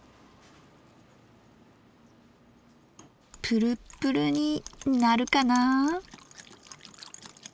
プルプルになるかな。